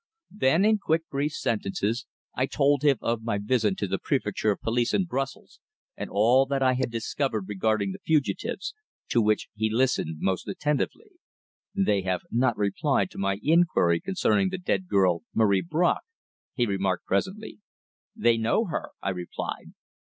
Then, in quick, brief sentences I told him of my visit to the Préfecture of Police in Brussels and all that I had discovered regarding the fugitives, to which he listened most attentively. "They have not replied to my inquiry concerning the dead girl Marie Bracq," he remarked presently. "They know her," I replied.